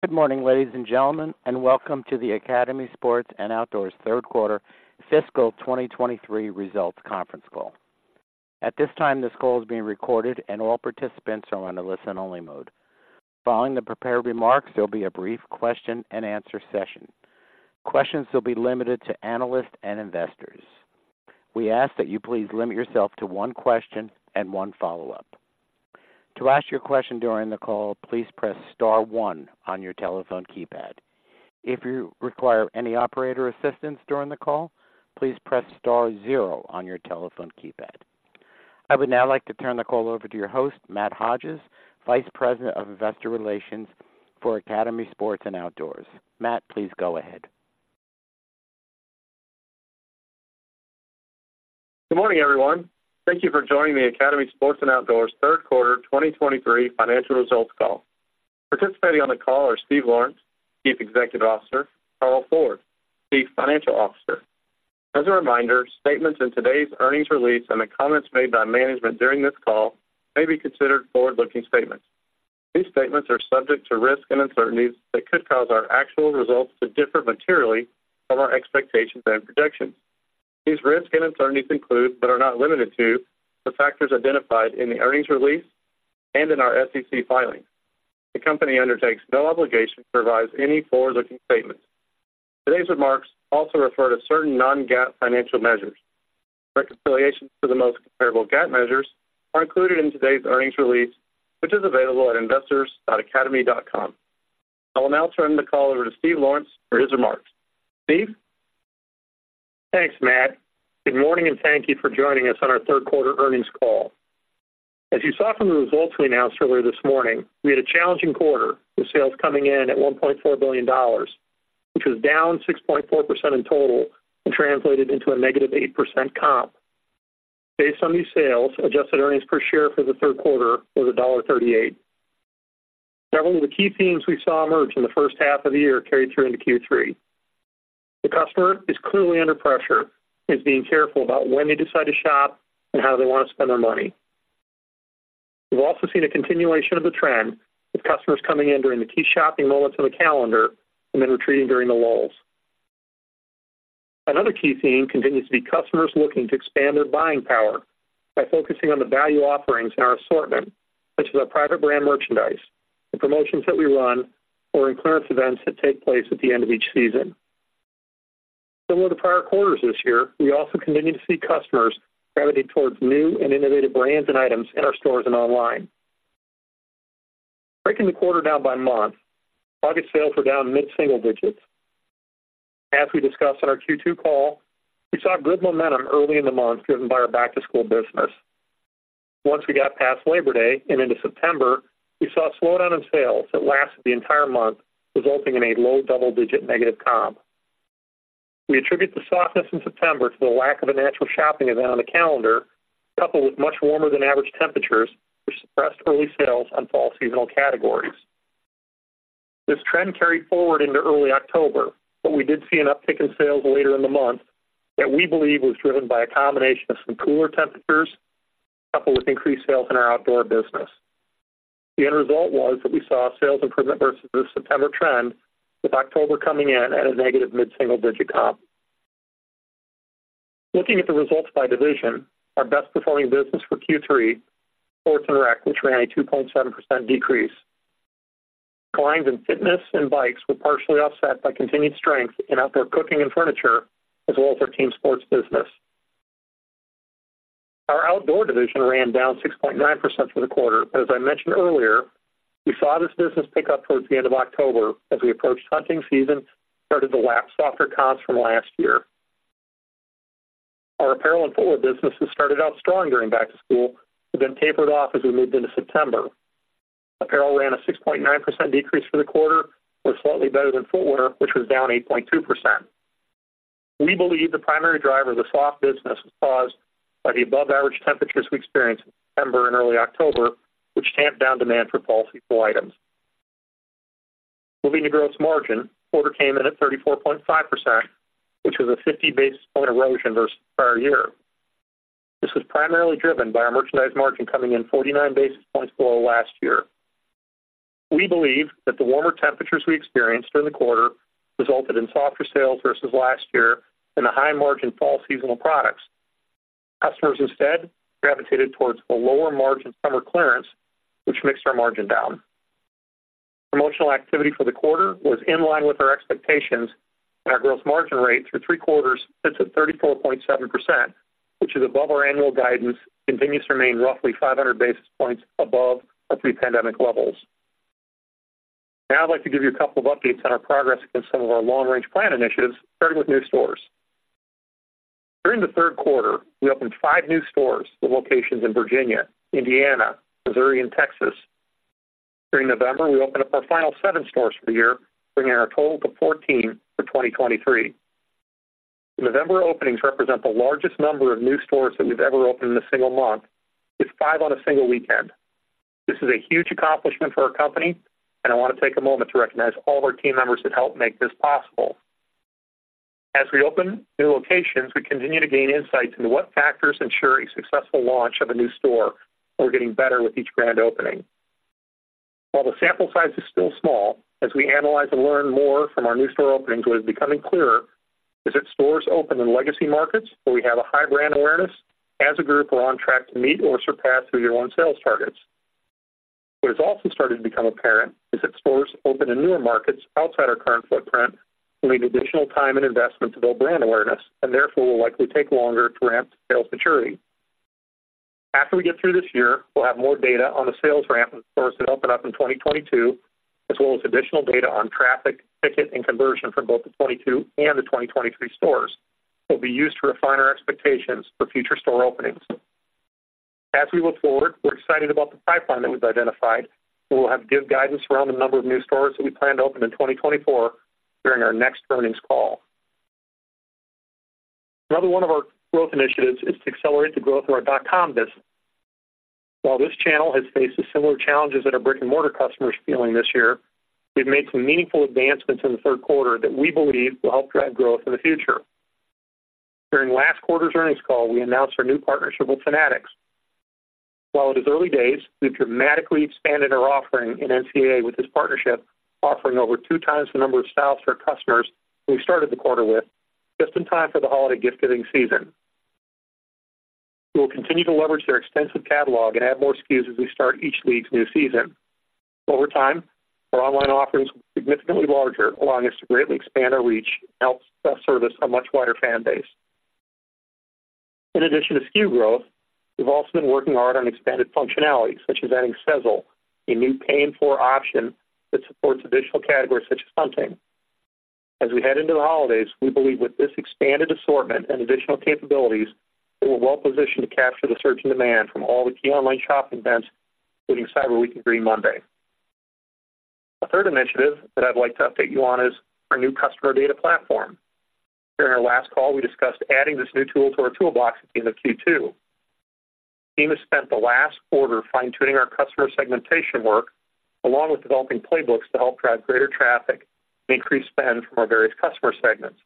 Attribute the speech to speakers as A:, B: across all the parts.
A: Good morning, ladies and gentlemen, and welcome to the Academy Sports and Outdoors third quarter fiscal 2023 results conference call. At this time, this call is being recorded, and all participants are on a listen-only mode. Following the prepared remarks, there'll be a brief question-and-answer session. Questions will be limited to analysts and investors. We ask that you please limit yourself to one question and one follow-up. To ask your question during the call, please press star one on your telephone keypad. If you require any operator assistance during the call, please press star zero on your telephone keypad. I would now like to turn the call over to your host, Matt Hodges, Vice President of Investor Relations for Academy Sports and Outdoors. Matt, please go ahead.
B: Good morning, everyone. Thank you for joining the Academy Sports and Outdoors third quarter 2023 financial results call. Participating on the call are Steve Lawrence, Chief Executive Officer, Carl Ford, Chief Financial Officer. As a reminder, statements in today's earnings release and the comments made by management during this call may be considered forward-looking statements. These statements are subject to risks and uncertainties that could cause our actual results to differ materially from our expectations and projections. These risks and uncertainties include, but are not limited to, the factors identified in the earnings release and in our SEC filings. The company undertakes no obligation to revise any forward-looking statements. Today's remarks also refer to certain non-GAAP financial measures. Reconciliations to the most comparable GAAP measures are included in today's earnings release, which is available at investors.academy.com. I will now turn the call over to Steve Lawrence for his remarks. Steve?
C: Thanks, Matt. Good morning, and thank you for joining us on our third quarter earnings call. As you saw from the results we announced earlier this morning, we had a challenging quarter, with sales coming in at $1.4 billion, which was down 6.4% in total and translated into a -8% comp. Based on these sales, adjusted earnings per share for the third quarter was $1.38. Several of the key themes we saw emerge in the first half of the year carried through into Q3. The customer is clearly under pressure and is being careful about when they decide to shop and how they want to spend their money. We've also seen a continuation of the trend, with customers coming in during the key shopping moments on the calendar and then retreating during the lulls. Another key theme continues to be customers looking to expand their buying power by focusing on the value offerings in our assortment, such as our private brand merchandise, the promotions that we run, or in clearance events that take place at the end of each season. Similar to prior quarters this year, we also continue to see customers gravitating towards new and innovative brands and items in our stores and online. Breaking the quarter down by month, August sales were down mid-single digits. As we discussed on our Q2 call, we saw good momentum early in the month, driven by our back-to-school business. Once we got past Labor Day and into September, we saw a slowdown in sales that lasted the entire month, resulting in a low double-digit negative comp. We attribute the softness in September to the lack of a natural shopping event on the calendar, coupled with much warmer-than-average temperatures, which suppressed early sales on fall seasonal categories. This trend carried forward into early October, but we did see an uptick in sales later in the month that we believe was driven by a combination of some cooler temperatures, coupled with increased sales in our outdoor business. The end result was that we saw a sales improvement versus the September trend, with October coming in at a negative mid-single-digit comp. Looking at the results by division, our best performing business for Q3, Sports and Rec, which ran a 2.7% decrease. Declines in fitness and bikes were partially offset by continued strength in outdoor cooking and furniture, as well as our team sports business. Our outdoor division ran down 6.9% for the quarter, but as I mentioned earlier, we saw this business pick up towards the end of October as we approached hunting season, started to lap softer comps from last year. Our apparel and footwear businesses started out strong during back to school, but then tapered off as we moved into September. Apparel ran a 6.9% decrease for the quarter, was slightly better than footwear, which was down 8.2%. We believe the primary driver of the soft business was caused by the above-average temperatures we experienced in September and early October, which tamped down demand for fall seasonal items. Moving to gross margin, the quarter came in at 34.5%, which was a 50 basis point erosion versus the prior year. This was primarily driven by our merchandise margin coming in 49 basis points below last year. We believe that the warmer temperatures we experienced during the quarter resulted in softer sales versus last year and the high margin fall seasonal products. Customers instead gravitated towards the lower margin summer clearance, which mixed our margin down. Promotional activity for the quarter was in line with our expectations, and our gross margin rate through three quarters sits at 34.7%, which is above our annual guidance, continues to remain roughly 500 basis points above our pre-pandemic levels. Now I'd like to give you a couple of updates on our progress against some of our long-range plan initiatives, starting with new stores. During the third quarter, we opened five new stores with locations in Virginia, Indiana, Missouri, and Texas. During November, we opened up our final seven stores for the year, bringing our total to 14 for 2023. The November openings represent the largest number of new stores that we've ever opened in a single month, with five on a single weekend. This is a huge accomplishment for our company, and I want to take a moment to recognize all of our team members that helped make this possible.... As we open new locations, we continue to gain insights into what factors ensure a successful launch of a new store, and we're getting better with each grand opening. While the sample size is still small, as we analyze and learn more from our new store openings, what is becoming clearer is that stores open in legacy markets, where we have a high brand awareness, as a group, are on track to meet or surpass three year comp sales targets. What has also started to become apparent is that stores open in newer markets outside our current footprint will need additional time and investment to build brand awareness and therefore will likely take longer to ramp to sales maturity. After we get through this year, we'll have more data on the sales ramp and stores that open up in 2022, as well as additional data on traffic, ticket, and conversion for both the 2022 and the 2023 stores, will be used to refine our expectations for future store openings. As we look forward, we're excited about the pipeline that we've identified, and we'll give guidance around the number of new stores that we plan to open in 2024 during our next earnings call. Another one of our growth initiatives is to accelerate the growth of our dot-com business. While this channel has faced the similar challenges that our brick-and-mortar customers are feeling this year, we've made some meaningful advancements in the third quarter that we believe will help drive growth in the future. During last quarter's earnings call, we announced our new partnership with Fanatics. While it is early days, we've dramatically expanded our offering in NCAA with this partnership, offering over two times the number of styles for customers we started the quarter with, just in time for the holiday gift-giving season. We will continue to leverage their extensive catalog and add more SKUs as we start each league's new season. Over time, our online offerings will be significantly larger, allowing us to greatly expand our reach and help best service a much wider fan base. In addition to SKU growth, we've also been working hard on expanded functionality, such as adding Sezzle, a new payment option that supports additional categories such as hunting. As we head into the holidays, we believe with this expanded assortment and additional capabilities, we're well positioned to capture the surge in demand from all the key online shopping events, including Cyber Week and Green Monday. A third initiative that I'd like to update you on is our new customer data platform. During our last call, we discussed adding this new tool to our toolbox at the end of Q2. The team has spent the last quarter fine-tuning our customer segmentation work, along with developing playbooks to help drive greater traffic and increase spend from our various customer segments.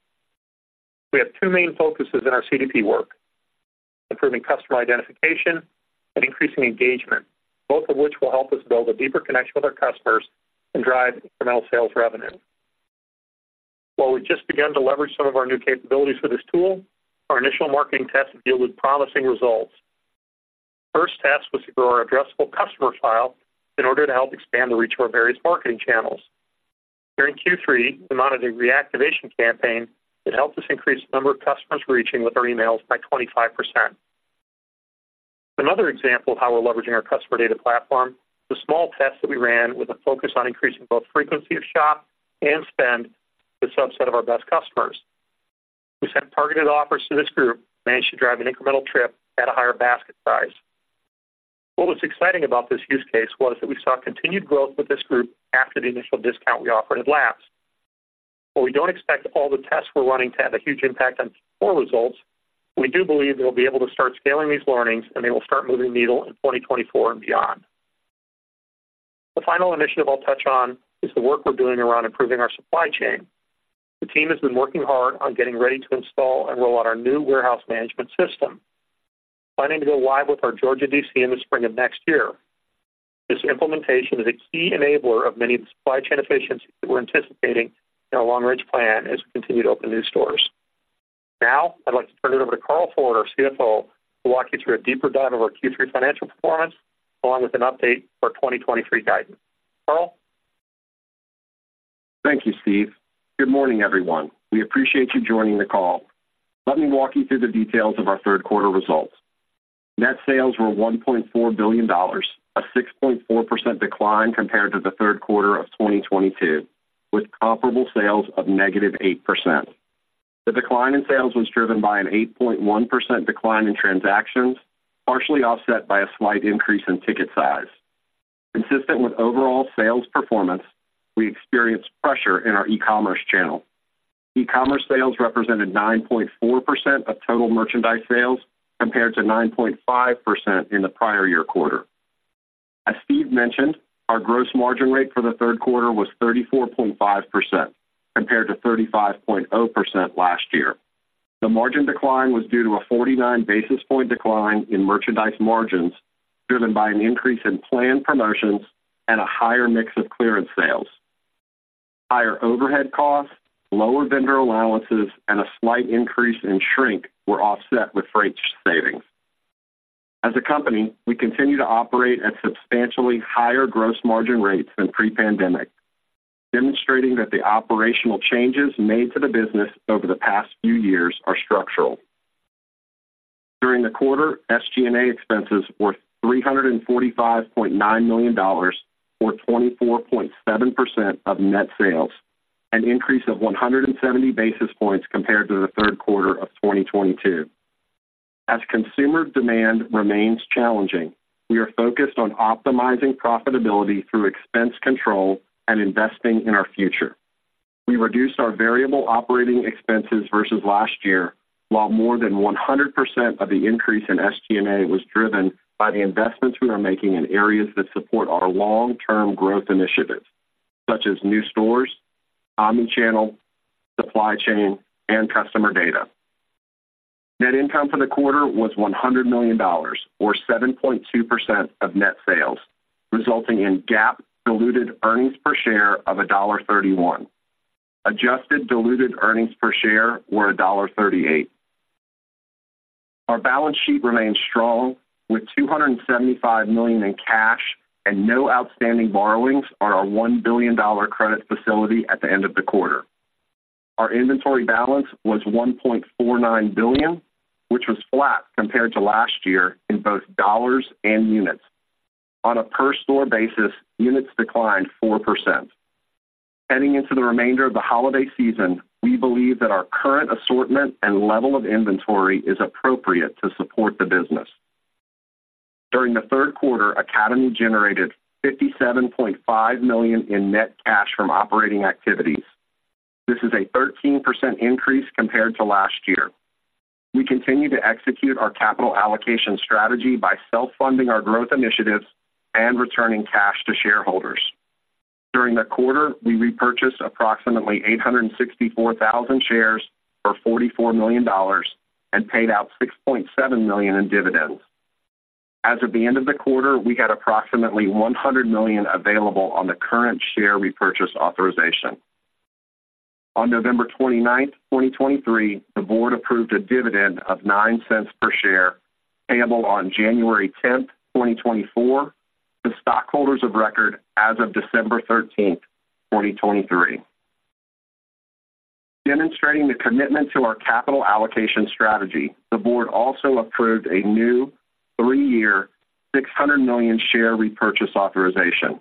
C: We have two main focuses in our CDP work: improving customer identification and increasing engagement, both of which will help us build a deeper connection with our customers and drive incremental sales revenue. While we've just begun to leverage some of our new capabilities for this tool, our initial marketing tests have yielded promising results. First test was to grow our addressable customer file in order to help expand the reach of our various marketing channels. During Q3, we mounted a reactivation campaign that helped us increase the number of customers we're reaching with our emails by 25%. Another example of how we're leveraging our customer data platform, the small test that we ran with a focus on increasing both frequency of shop and spend with a subset of our best customers. We sent targeted offers to this group, managed to drive an incremental trip at a higher basket size. What was exciting about this use case was that we saw continued growth with this group after the initial discount we offered had lapsed. While we don't expect all the tests we're running to have a huge impact on Q4 results, we do believe we'll be able to start scaling these learnings, and they will start moving the needle in 2024 and beyond. The final initiative I'll touch on is the work we're doing around improving our supply chain. The team has been working hard on getting ready to install and roll out our new warehouse management system, planning to go live with our Georgia DC in the spring of next year. This implementation is a key enabler of many of the supply chain efficiencies that we're anticipating in our long range plan as we continue to open new stores. Now I'd like to turn it over to Carl Ford, our CFO, to walk you through a deeper dive of our Q3 financial performance, along with an update for our 2023 guidance. Carl?
D: Thank you, Steve. Good morning, everyone. We appreciate you joining the call. Let me walk you through the details of our third quarter results. Net sales were $1.4 billion, a 6.4% decline compared to the third quarter of 2022, with comparable sales of -8%. The decline in sales was driven by an 8.1% decline in transactions, partially offset by a slight increase in ticket size. Consistent with overall sales performance, we experienced pressure in our e-commerce channel. E-commerce sales represented 9.4% of total merchandise sales, compared to 9.5% in the prior year quarter. As Steve mentioned, our gross margin rate for the third quarter was 34.5%, compared to 35.0% last year. The margin decline was due to a 49 basis point decline in merchandise margins, driven by an increase in planned promotions and a higher mix of clearance sales. Higher overhead costs, lower vendor allowances, and a slight increase in shrink were offset with freight savings. As a company, we continue to operate at substantially higher gross margin rates than pre-pandemic, demonstrating that the operational changes made to the business over the past few years are structural. During the quarter, SG&A expenses were $345.9 million, or 24.7% of net sales, an increase of 170 basis points compared to the third quarter of 2022. As consumer demand remains challenging, we are focused on optimizing profitability through expense control and investing in our future. We reduced our variable operating expenses versus last year... While more than 100% of the increase in SG&A was driven by the investments we are making in areas that support our long-term growth initiatives, such as new stores, omni-channel, supply chain, and customer data. Net income for the quarter was $100 million, or 7.2% of net sales, resulting in GAAP diluted earnings per share of $1.31. Adjusted diluted earnings per share were $1.38. Our balance sheet remains strong, with $275 million in cash and no outstanding borrowings on our $1 billion credit facility at the end of the quarter. Our inventory balance was $1.49 billion, which was flat compared to last year in both dollars and units. On a per store basis, units declined 4%. Heading into the remainder of the holiday season, we believe that our current assortment and level of inventory is appropriate to support the business. During the third quarter, Academy generated $57.5 million in net cash from operating activities. This is a 13% increase compared to last year. We continue to execute our capital allocation strategy by self-funding our growth initiatives and returning cash to shareholders. During the quarter, we repurchased approximately 864,000 shares for $44 million and paid out $6.7 million in dividends. As of the end of the quarter, we had approximately $100 million available on the current share repurchase authorization. On November 29, 2023, the board approved a dividend of $0.09 per share, payable on January 10, 2024, to stockholders of record as of December 13, 2023. Demonstrating the commitment to our capital allocation strategy, the board also approved a new three year, $600 million share repurchase authorization.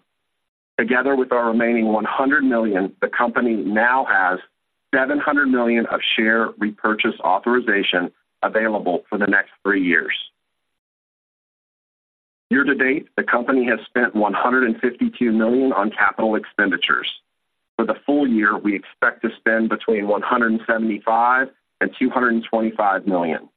D: Together with our remaining $100 million, the company now has $700 million of share repurchase authorization available for the next three years. Year to date, the company has spent $152 million on capital expenditures. For the full year, we expect to spend between $175 million and $225 million.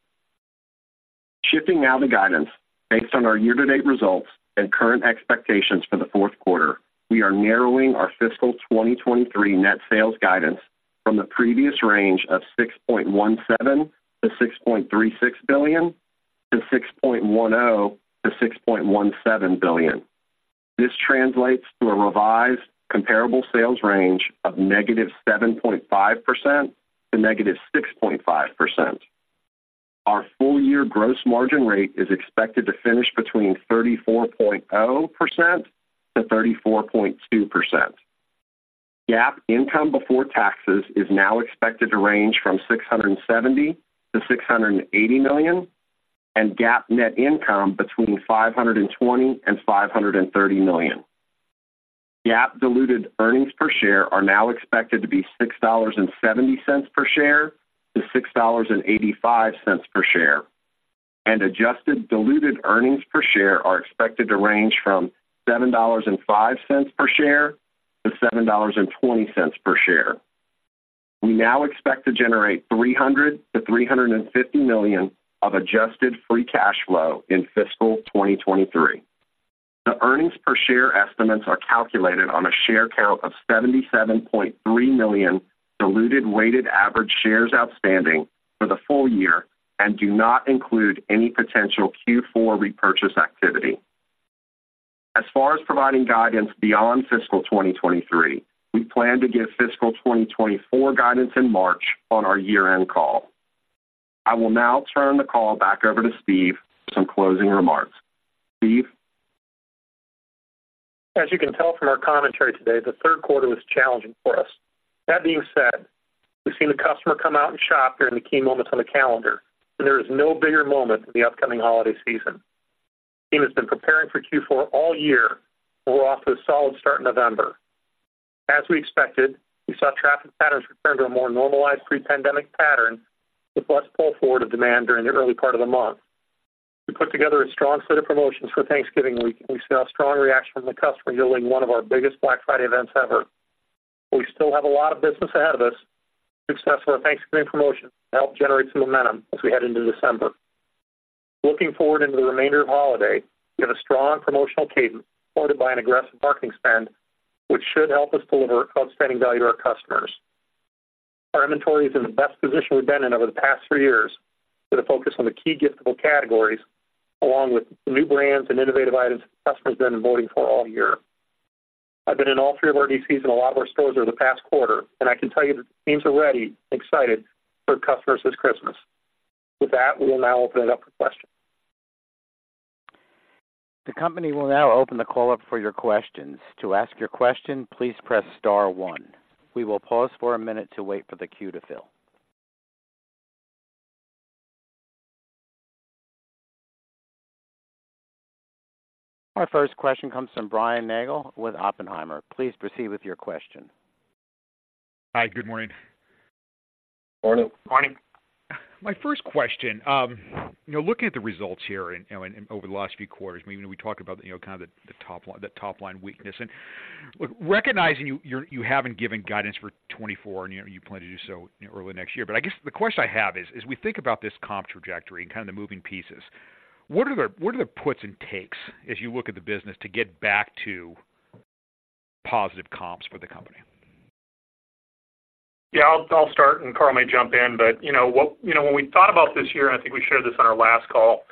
D: Shifting now to guidance. Based on our year-to-date results and current expectations for the fourth quarter, we are narrowing our fiscal 2023 net sales guidance from the previous range of $6.17 billion-$6.36 billion to $6.1 billion-$6.17 billion. This translates to a revised comparable sales range of -7.5% to -6.5%. Our full-year gross margin rate is expected to finish between 34.0%-34.2%. GAAP income before taxes is now expected to range from $670 million-$680 million, and GAAP net income between $520 million and $530 million. GAAP diluted earnings per share are now expected to be $6.70 per share to $6.85 per share, and adjusted diluted earnings per share are expected to range from $7.05 per share to $7.20 per share. We now expect to generate $300 million-$350 million of adjusted free cash flow in fiscal 2023. The earnings per share estimates are calculated on a share count of 77.3 million diluted weighted average shares outstanding for the full year and do not include any potential Q4 repurchase activity. As far as providing guidance beyond fiscal 2023, we plan to give fiscal 2024 guidance in March on our year-end call. I will now turn the call back over to Steve for some closing remarks. Steve?
C: As you can tell from our commentary today, the third quarter was challenging for us. That being said, we've seen the customer come out and shop during the key moments on the calendar, and there is no bigger moment than the upcoming holiday season. The team has been preparing for Q4 all year. We're off to a solid start in November. As we expected, we saw traffic patterns return to a more normalized pre-pandemic pattern, with less pull forward of demand during the early part of the month. We put together a strong set of promotions for Thanksgiving week, and we saw a strong reaction from the customer, yielding one of our biggest Black Friday events ever. We still have a lot of business ahead of us. Success for our Thanksgiving promotion helped generate some momentum as we head into December. Looking forward into the remainder of holiday, we have a strong promotional cadence supported by an aggressive marketing spend, which should help us deliver outstanding value to our customers. Our inventory is in the best position we've been in over the past three years, with a focus on the key giftable categories, along with new brands and innovative items customers have been voting for all year. I've been in all three of our DCs and a lot of our stores over the past quarter, and I can tell you that teams are ready and excited for customers this Christmas. With that, we will now open it up for questions.
A: The company will now open the call up for your questions. To ask your question, please press star one. We will pause for a minute to wait for the queue to fill. Our first question comes from Brian Nagel with Oppenheimer. Please proceed with your question.
E: Hi, good morning.
D: Good morning.
B: Morning.
E: My first question, you know, looking at the results here and, you know, over the last few quarters, we talked about, you know, kind of the top line, the top line weakness. Look, recognizing you, you're, you haven't given guidance for 2024, and you, you plan to do so early next year. But I guess the question I have is: as we think about this comp trajectory and kind of the moving pieces, what are the, what are the puts and takes as you look at the business to get back to positive comps for the company?
C: Yeah, I'll start, and Carl may jump in, but you know, what, you know, when we thought about this year, and I think we shared this on our last call,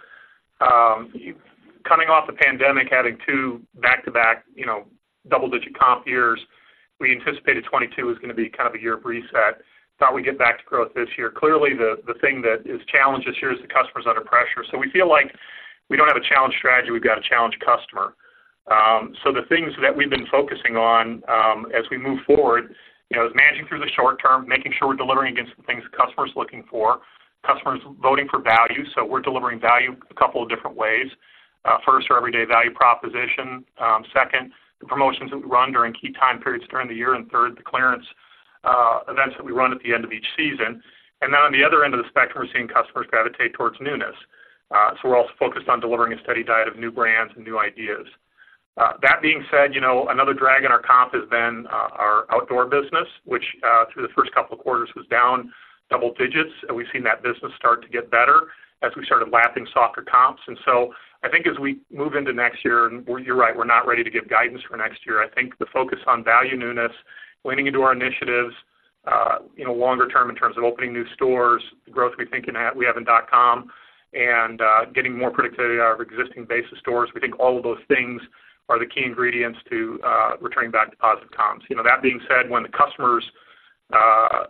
C: coming off the pandemic, having two back-to-back, you know, double-digit comp years, we anticipated 2022 is gonna be kind of a year of reset. Thought we'd get back to growth this year. Clearly, the thing that is challenged this year is the customer's under pressure, so we feel like we don't have a challenged strategy, we've got a challenged customer. So the things that we've been focusing on, as we move forward, you know, is managing through the short term, making sure we're delivering against the things the customer is looking for. Customer is voting for value, so we're delivering value a couple of different ways. First, our everyday value proposition; second, the promotions that we run during key time periods during the year; and third, the clearance events that we run at the end of each season. And then on the other end of the spectrum, we're seeing customers gravitate towards newness. So we're also focused on delivering a steady diet of new brands and new ideas. That being said, you know, another drag on our comp has been our outdoor business, which through the first couple of quarters, was down double digits, and we've seen that business start to get better as we started lapping softer comps. And so I think as we move into next year, and we're... You're right, we're not ready to give guidance for next year. I think the focus on value, newness, leaning into our initiatives, you know, longer term, in terms of opening new stores, the growth we think in that we have in dot com, and getting more predictability out of our existing base of stores. We think all of those things are the key ingredients to returning back to positive comps. You know, that being said, when the customer's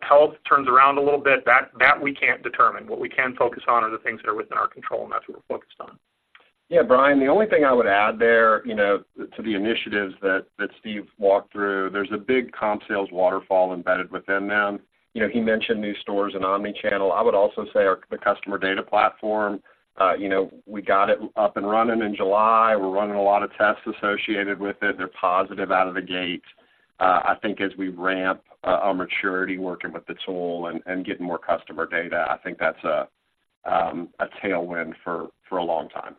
C: health turns around a little bit, that we can't determine. What we can focus on are the things that are within our control, and that's what we're focused on.
D: Yeah, Brian, the only thing I would add there, you know, to the initiatives that Steve walked through, there's a big comp sales waterfall embedded within them. You know, he mentioned new stores and omni-channel. I would also say our customer data platform. You know, we got it up and running in July. We're running a lot of tests associated with it. They're positive out of the gate. I think as we ramp our maturity, working with the tool and getting more customer data, I think that's a tailwind for a long time.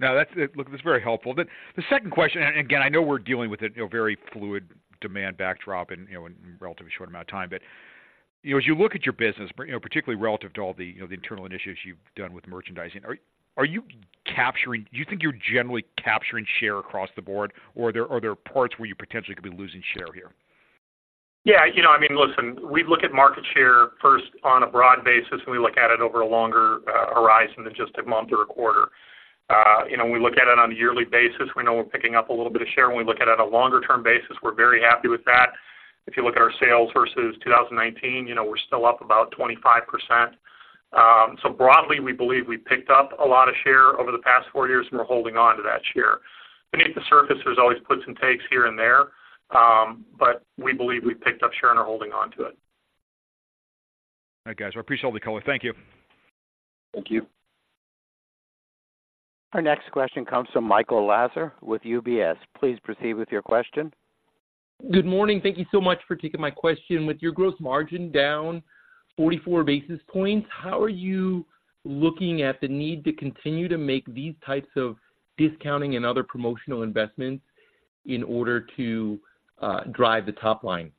E: Now, that's it. Look, it's very helpful. The second question, and again, I know we're dealing with a, you know, very fluid demand backdrop in, you know, in a relatively short amount of time. But, you know, as you look at your business, you know, particularly relative to all the, you know, the internal initiatives you've done with merchandising, are you capturing... Do you think you're generally capturing share across the board, or, are there parts where you potentially could be losing share here?
C: Yeah, you know, I mean, listen, we look at market share first on a broad basis, and we look at it over a longer horizon than just a month or a quarter. You know, we look at it on a yearly basis. We know we're picking up a little bit of share when we look at it on a longer-term basis. We're very happy with that. If you look at our sales versus 2019, you know, we're still up about 25%. So broadly, we believe we picked up a lot of share over the past four years, and we're holding on to that share. Beneath the surface, there's always puts and takes here and there, but we believe we've picked up share and are holding on to it.
E: All right, guys. I appreciate all the color. Thank you.
D: Thank you.
A: Our next question comes from Michael Lasser with UBS. Please proceed with your question.
F: Good morning. Thank you so much for taking my question. With your gross margin down 44 basis points, how are you looking at the need to continue to make these types of discounting and other promotional investments in order to drive the top line?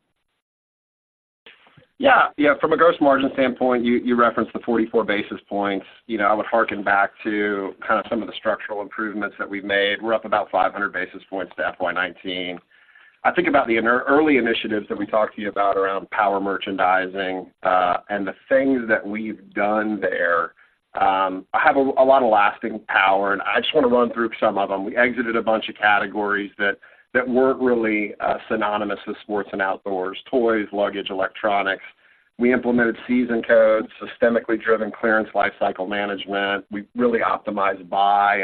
D: Yeah, yeah, from a gross margin standpoint, you referenced the 44 basis points. You know, I would harken back to kind of some of the structural improvements that we've made. We're up about 500 basis points to FY 2019. I think about the early initiatives that we talked to you about around power merchandising, and the things that we've done there have a lot of lasting power, and I just want to run through some of them. We exited a bunch of categories that weren't really synonymous with sports and outdoors: toys, luggage, electronics. We implemented season codes, systemically driven clearance lifecycle management. We've really optimized buy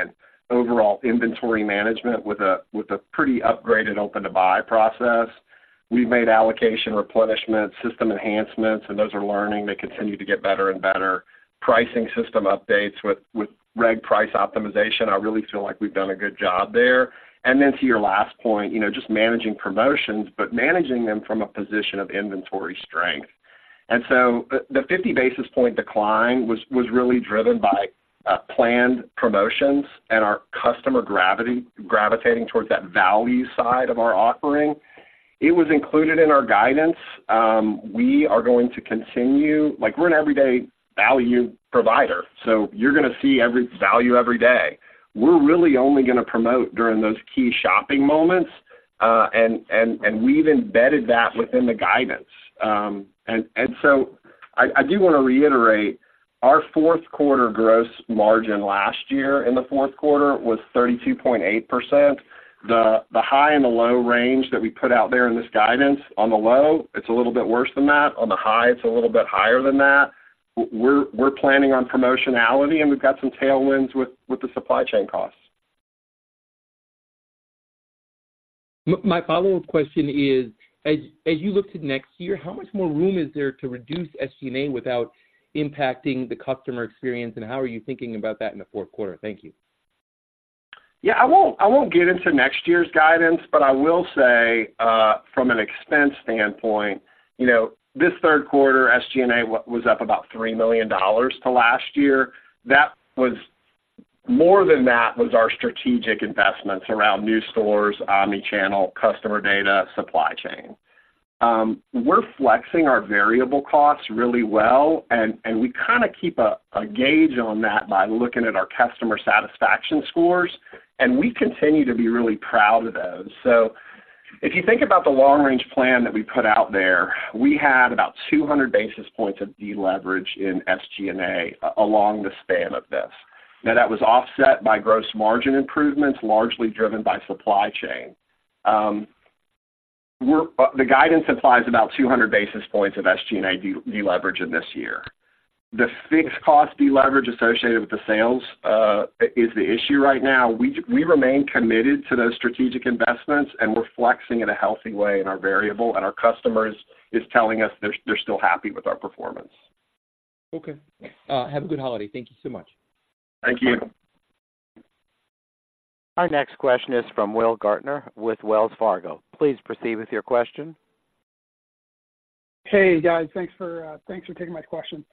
D: and overall inventory management with a pretty upgraded open-to-buy process. We've made allocation, replenishment, system enhancements, and those are learning. They continue to get better and better. Pricing system updates with reg price optimization. I really feel like we've done a good job there. And then to your last point, you know, just managing promotions, but managing them from a position of inventory strength. And so the 50 basis point decline was really driven by planned promotions and our customers gravitating towards that value side of our offering. It was included in our guidance. We are going to continue... Like, we're an everyday value provider, so you're gonna see every value every day. We're really only gonna promote during those key shopping moments, and we've embedded that within the guidance. And so I do wanna reiterate, our fourth quarter gross margin last year in the fourth quarter was 32.8%. The high and the low range that we put out there in this guidance, on the low, it's a little bit worse than that. On the high, it's a little bit higher than that. We're planning on promotionality, and we've got some tailwinds with the supply chain costs.
F: My follow-up question is, as you look to next year, how much more room is there to reduce SG&A without impacting the customer experience, and how are you thinking about that in the fourth quarter? Thank you.
C: Yeah, I won't, I won't get into next year's guidance, but I will say,... from an expense standpoint, you know, this third quarter, SG&A was up about $3 million to last year. That was more than that was our strategic investments around new stores, omni-channel, customer data, supply chain. We're flexing our variable costs really well, and we kinda keep a gauge on that by looking at our customer satisfaction scores, and we continue to be really proud of those. So if you think about the long-range plan that we put out there, we had about 200 basis points of deleverage in SG&A along the span of this. Now, that was offset by gross margin improvements, largely driven by supply chain. The guidance implies about 200 basis points of SG&A deleverage in this year. The fixed cost deleverage associated with the sales is the issue right now. We remain committed to those strategic investments, and we're flexing in a healthy way in our variable, and our customers is telling us they're still happy with our performance.
F: Okay. Have a good holiday. Thank you so much.
C: Thank you.
A: Our next question is from Will Gaertner with Wells Fargo. Please proceed with your question.
G: Hey, guys, thanks for taking my question.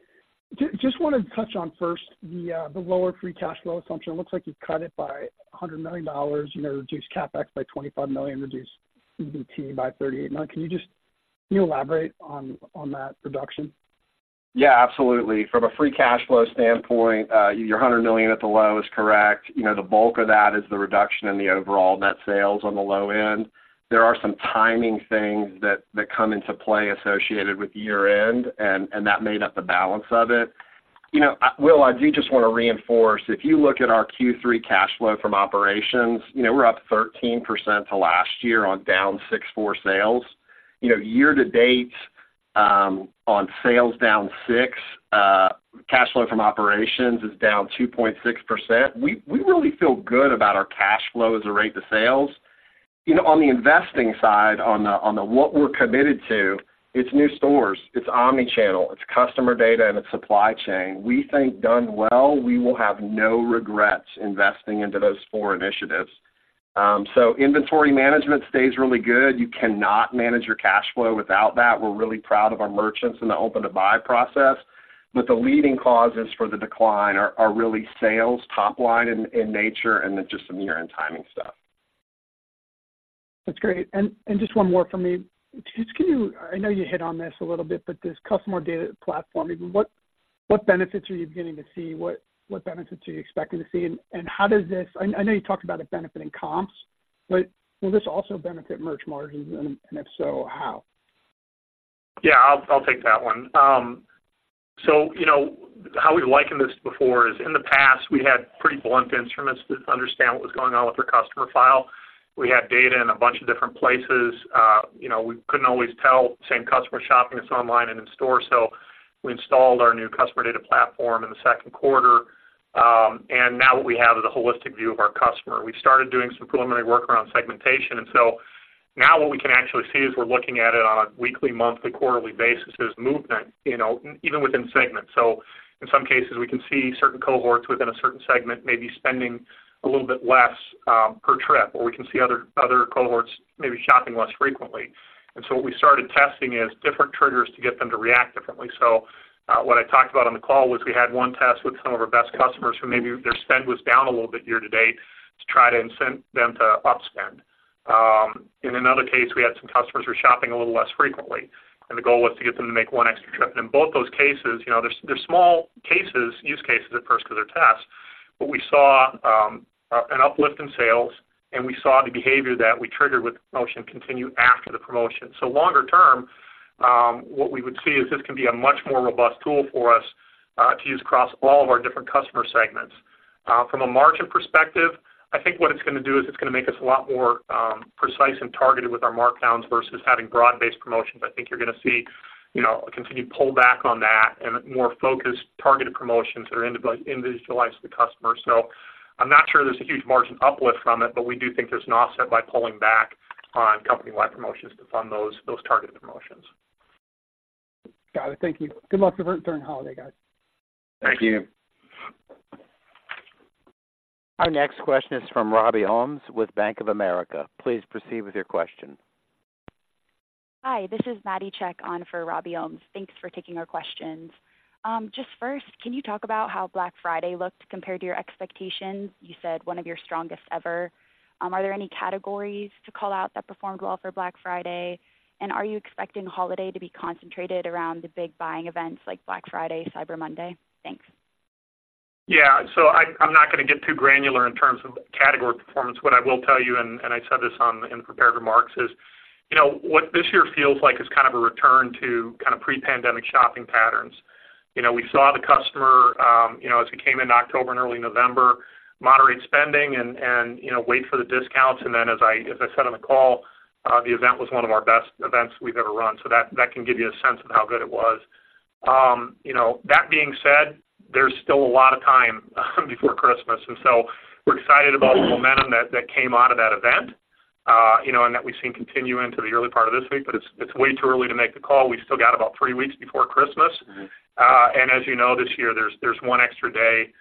G: Just wanted to touch on first the lower free cash flow assumption. It looks like you cut it by $100 million, you know, reduced CapEx by $25 million, reduced EBT by $38 million. Can you elaborate on that reduction?
C: Yeah, absolutely. From a free cash flow standpoint, your $100 million at the low is correct. You know, the bulk of that is the reduction in the overall net sales on the low end. There are some timing things that come into play associated with year-end, and that made up the balance of it. You know, Will, I do just want to reinforce, if you look at our Q3 cash flow from operations, you know, we're up 13% to last year on down 6% for sales. You know, year-to-date, on sales down 6%, cash flow from operations is down 2.6%. We really feel good about our cash flow as a rate to sales. You know, on the investing side, on the what we're committed to, it's new stores, it's omni-channel, it's customer data, and it's supply chain. We think, done well, we will have no regrets investing into those four initiatives. So inventory management stays really good. You cannot manage your cash flow without that. We're really proud of our merchants in the open-to-buy process, but the leading causes for the decline are really sales, top line in nature, and then just some year-end timing stuff.
G: That's great. And just one more for me. Just, can you, I know you hit on this a little bit, but this Customer Data Platform, what benefits are you beginning to see? What benefits are you expecting to see? And how does this, I know you talked about it benefiting comps, but will this also benefit merch margins? And if so, how?
C: Yeah, I'll, I'll take that one. So, you know, how we've likened this before is, in the past, we had pretty blunt instruments to understand what was going on with our customer file. We had data in a bunch of different places. You know, we couldn't always tell the same customer shopping us online and in store, so we installed our new Customer Data Platform in the second quarter. Now what we have is a holistic view of our customer. We've started doing some preliminary work around segmentation, and so now what we can actually see as we're looking at it on a weekly, monthly, quarterly basis, there's movement, you know, even within segments. So in some cases, we can see certain cohorts within a certain segment, maybe spending a little bit less per trip, or we can see other cohorts maybe shopping less frequently. And so what we started testing is different triggers to get them to react differently. So, what I talked about on the call was we had one test with some of our best customers who maybe their spend was down a little bit year-to-date, to try to incent them to upspend. In another case, we had some customers who were shopping a little less frequently, and the goal was to get them to make one extra trip. In both those cases, you know, they're small cases, use cases at first, because they're tests, but we saw an uplift in sales, and we saw the behavior that we triggered with the promotion continue after the promotion. So longer term, what we would see is this can be a much more robust tool for us to use across all of our different customer segments. From a margin perspective, I think what it's gonna do is it's gonna make us a lot more precise and targeted with our markdowns versus having broad-based promotions. I think you're gonna see, you know, a continued pullback on that and more focused, targeted promotions that are individualized to the customer. I'm not sure there's a huge margin uplift from it, but we do think there's an offset by pulling back on company-wide promotions to fund those targeted promotions.
G: Got it. Thank you. Good luck during the holiday, guys.
C: Thank you.
A: Our next question is from Robbie Holmes with Bank of America. Please proceed with your question.
H: Hi, this is Maddie Checkon on for Robbie Holmes. Thanks for taking our questions. Just first, can you talk about how Black Friday looked compared to your expectations? You said one of your strongest ever. Are there any categories to call out that performed well for Black Friday? And are you expecting holiday to be concentrated around the big buying events like Black Friday, Cyber Monday? Thanks.
C: Yeah. So I'm not gonna get too granular in terms of category performance. What I will tell you, and I said this on, in the prepared remarks, is, you know, what this year feels like is kind of a return to kind of pre-pandemic shopping patterns. You know, we saw the customer, you know, as we came in October and early November, moderate spending and, you know, wait for the discounts. And then as I said on the call, the event was one of our best events we've ever run, so that can give you a sense of how good it was. You know, that being said, there's still a lot of time before Christmas, and so we're excited about the momentum that came out of that event, you know, and that we've seen continue into the early part of this week, but it's way too early to make the call. We still got about three weeks before Christmas. And as you know, this year, there's one extra day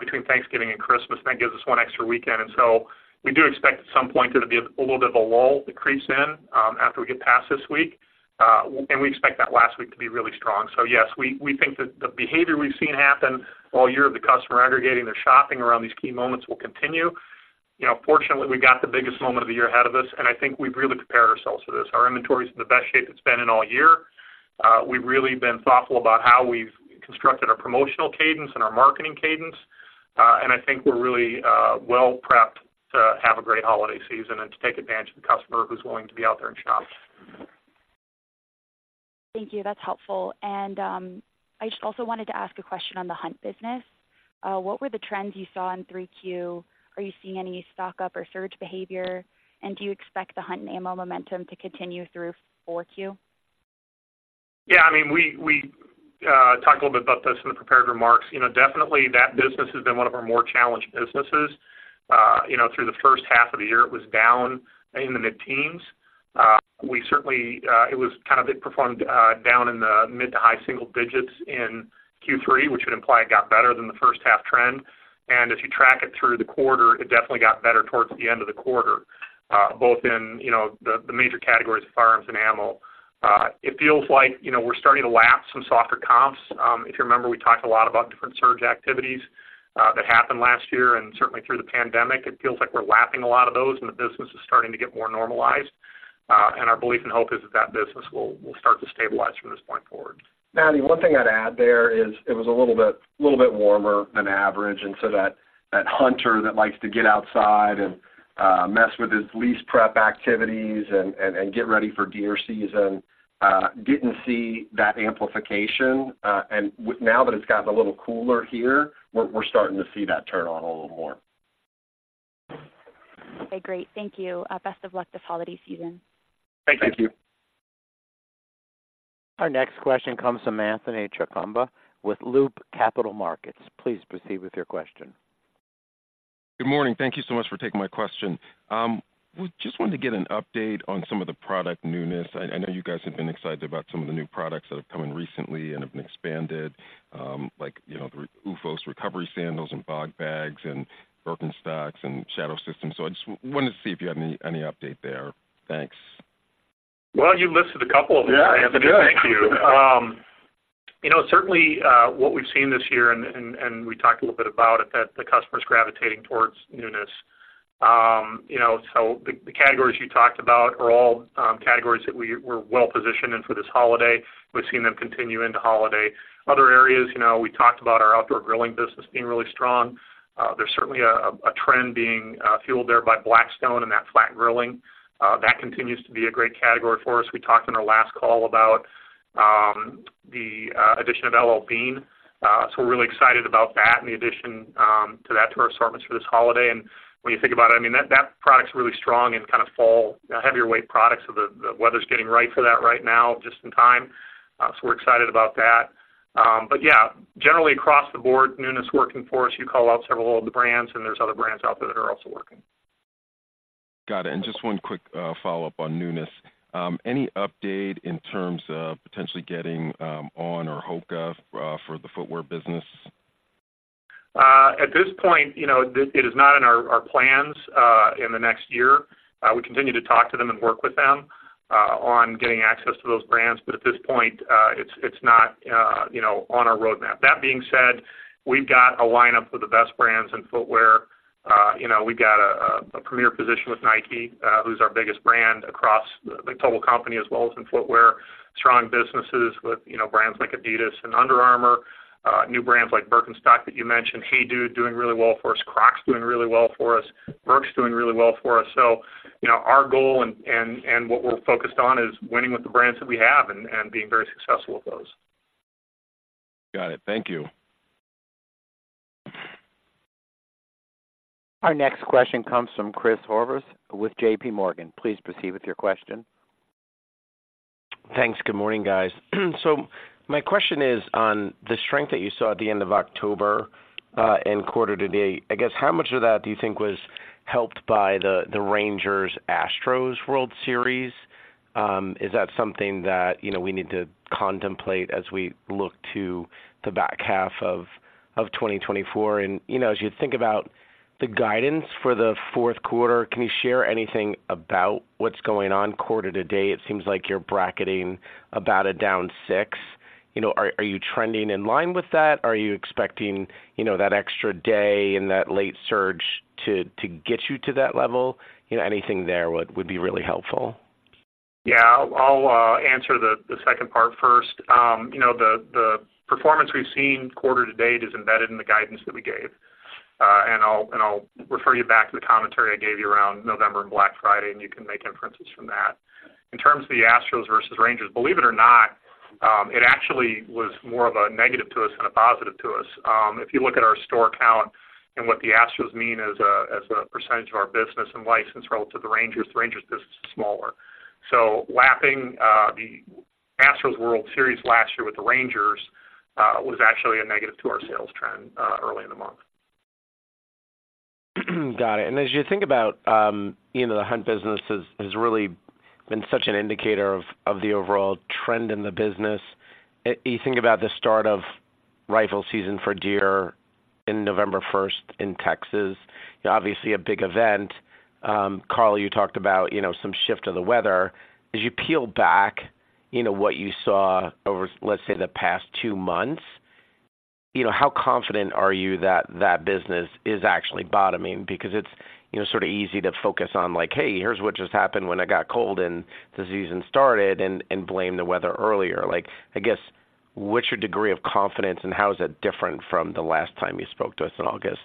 C: between Thanksgiving and Christmas, and that gives us one extra weekend. And so, we do expect at some point there to be a little bit of a lull, decrease in after we get past this week, and we expect that last week to be really strong. So yes, we think that the behavior we've seen happen all year of the customer aggregating their shopping around these key moments will continue. You know, fortunately, we got the biggest moment of the year ahead of us, and I think we've really prepared ourselves for this. Our inventory is in the best shape it's been in all year. We've really been thoughtful about how we've constructed our promotional cadence and our marketing cadence, and I think we're really well prepped to have a great holiday season and to take advantage of the customer who's willing to be out there and shop.
H: Thank you. That's helpful. I just also wanted to ask a question on the hunt business. What were the trends you saw in 3Q? Are you seeing any stock-up or surge behavior? And do you expect the hunt and ammo momentum to continue through 4Q?
C: Yeah, I mean, we talked a little bit about this in the prepared remarks. You know, definitely that business has been one of our more challenged businesses. You know, through the first half of the year, it was down in the mid-teens. We certainly. It was kind of, it performed down in the mid to high single digits in Q3, which would imply it got better than the first half trend. And if you track it through the quarter, it definitely got better towards the end of the quarter, both in, you know, the major categories of firearms and ammo. It feels like, you know, we're starting to lap some softer comps. If you remember, we talked a lot about different surge activities that happened last year and certainly through the pandemic. It feels like we're lapping a lot of those, and the business is starting to get more normalized. And our belief and hope is that that business will start to stabilize from this point forward.
D: Maddie, one thing I'd add there is it was a little bit, little bit warmer than average, and so that, that hunter that likes to get outside and mess with his lease prep activities and get ready for deer season didn't see that amplification. And now that it's gotten a little cooler here, we're starting to see that turn on a little more.
H: Okay, great. Thank you. Best of luck this holiday season.
C: Thank you.
D: Thank you.
A: Our next question comes from Anthony Chukumba with Loop Capital Markets. Please proceed with your question.
I: Good morning. Thank you so much for taking my question. We just wanted to get an update on some of the product newness. I know you guys have been excited about some of the new products that have come in recently and have been expanded, like, you know, the OOFOS recovery sandals and BOG bags and Birkenstocks and Shadow Systems. So I just wanted to see if you had any update there. Thanks.
C: Well, you listed a couple of them-
I: Yeah.
C: Anthony, thank you. You know, certainly, what we've seen this year, and we talked a little bit about it, that the customer is gravitating towards newness. You know, so the categories you talked about are all categories that we're well positioned in for this holiday. We've seen them continue into holiday. Other areas, you know, we talked about our outdoor grilling business being really strong. There's certainly a trend being fueled there by Blackstone and that flat grilling. That continues to be a great category for us. We talked in our last call about the addition of L.L.Bean. So we're really excited about that and the addition to our assortments for this holiday. And when you think about it, I mean, that, that product's really strong in kind of fall, heavier weight products, so the, the weather's getting right for that right now, just in time. So we're excited about that. But yeah, generally across the board, newness working for us. You call out several of the brands, and there's other brands out there that are also working.
I: Got it. And just one quick follow-up on newness. Any update in terms of potentially getting on or Hoka for the footwear business?
C: At this point, you know, it is not in our plans in the next year. We continue to talk to them and work with them on getting access to those brands, but at this point, it's not, you know, on our roadmap. That being said, we've got a lineup with the best brands in footwear. You know, we've got a premier position with Nike, who's our biggest brand across the total company as well as in footwear. Strong businesses with, you know, brands like Adidas and Under Armour, new brands like Birkenstock that you mentioned. Hey Dude doing really well for us. Crocs doing really well for us. Merrell doing really well for us. You know, our goal and what we're focused on is winning with the brands that we have and being very successful with those.
I: Got it. Thank you.
A: Our next question comes from Chris Horvers with JP Morgan. Please proceed with your question.
J: Thanks. Good morning, guys. So my question is on the strength that you saw at the end of October and quarter to date. I guess, how much of that do you think was helped by the Rangers-Astros World Series? Is that something that, you know, we need to contemplate as we look to the back half of 2024? And, you know, as you think about the guidance for the fourth quarter, can you share anything about what's going on quarter to date? It seems like you're bracketing about a down 6%. You know, are you trending in line with that? Are you expecting, you know, that extra day and that late surge to get you to that level? You know, anything there would be really helpful.
C: Yeah, I'll answer the second part first. You know, the performance we've seen quarter to date is embedded in the guidance that we gave. And I'll refer you back to the commentary I gave you around November and Black Friday, and you can make inferences from that. In terms of the Astros versus Rangers, believe it or not, it actually was more of a negative to us than a positive to us. If you look at our store count and what the Astros mean as a percentage of our business and license relative to the Rangers, the Rangers business is smaller. So lapping the Astros World Series last year with the Rangers was actually a negative to our sales trend early in the month.
J: Got it. And as you think about, you know, the hunt business has really been such an indicator of the overall trend in the business. You think about the start of-... rifle season for deer in November first in Texas, obviously a big event. Carl, you talked about, you know, some shift of the weather. As you peel back, you know, what you saw over, let's say, the past two months, you know, how confident are you that that business is actually bottoming? Because it's, you know, sort of easy to focus on, like, hey, here's what just happened when it got cold and the season started and blame the weather earlier. Like, I guess, what's your degree of confidence, and how is it different from the last time you spoke to us in August?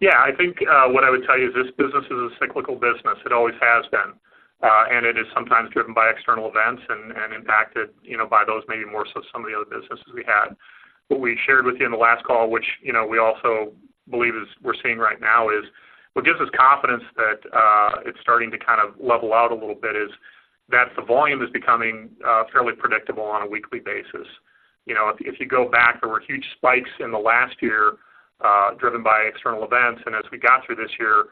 C: Yeah, I think what I would tell you is this business is a cyclical business. It always has been, and it is sometimes driven by external events and, and impacted, you know, by those maybe more so some of the other businesses we had. What we shared with you in the last call, which, you know, we also believe is we're seeing right now is, what gives us confidence that it's starting to kind of level out a little bit, is that the volume is becoming fairly predictable on a weekly basis. You know, if you go back, there were huge spikes in the last year, driven by external events, and as we got through this year,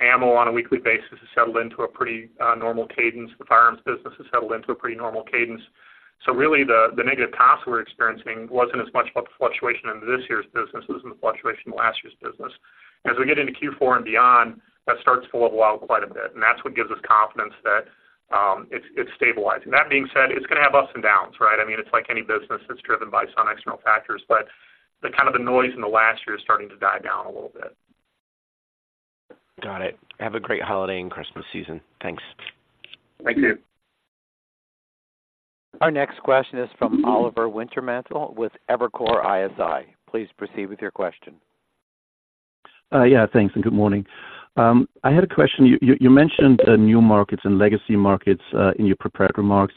C: ammo on a weekly basis has settled into a pretty normal cadence. The firearms business has settled into a pretty normal cadence. So really, the negative costs we're experiencing wasn't as much about the fluctuation in this year's business as it was the fluctuation in last year's business. As we get into Q4 and beyond, that starts to level out quite a bit, and that's what gives us confidence that it's stabilizing. That being said, it's gonna have ups and downs, right? I mean, it's like any business that's driven by some external factors, but the kind of noise in the last year is starting to die down a little bit.
J: Got it. Have a great holiday and Christmas season. Thanks.
C: Thank you.
A: Our next question is from Oliver Wintermantel with Evercore ISI. Please proceed with your question.
K: Yeah, thanks, and good morning. I had a question. You mentioned new markets and legacy markets in your prepared remarks.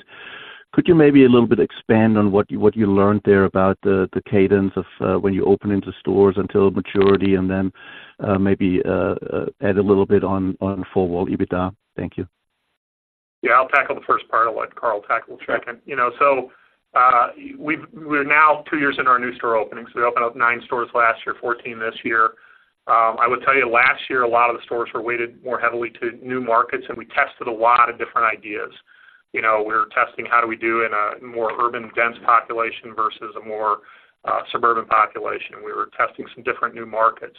K: Could you maybe a little bit expand on what you learned there about the cadence of when you open into stores until maturity, and then maybe add a little bit on full-year EBITDA? Thank you.
C: Yeah, I'll tackle the first part. I'll let Carl tackle the second. You know, so, we're now two years into our new store openings. We opened up nine stores last year, 14 this year. I would tell you last year, a lot of the stores were weighted more heavily to new markets, and we tested a lot of different ideas. You know, we were testing how do we do in a more urban, dense population versus a more suburban population. We were testing some different new markets.